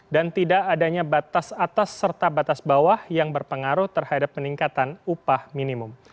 dan tidak adanya batas atas serta batas bawah yang berpengaruh terhadap peningkatan upah minimum